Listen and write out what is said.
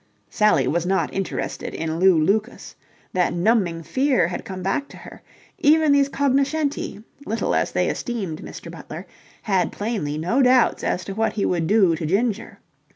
Sally was not interested in Lew Lucas. That numbing fear had come back to her. Even these cognoscenti, little as they esteemed Mr. Butler, had plainly no doubts as to what he would do to Ginger.